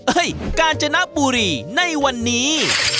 เอ้ยกาญจนปุรีในวันนี้